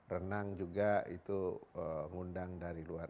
renang juga itu ngundang dari luar